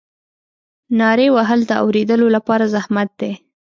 نارې وهل د اورېدلو لپاره زحمت دی.